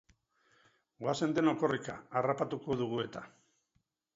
Goazen denok korrika, harrapatuko dugu eta!